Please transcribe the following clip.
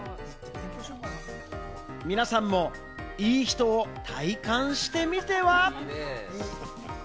皆さんもいい人を体感してみては？